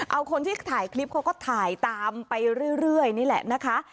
เอาคนที่ถ่ายคลิปเขาก็ถ่ายตามไปเรื่อยนี่แหละนะคะ